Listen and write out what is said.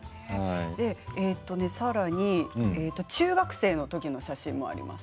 さらに中学生のときの写真もあります。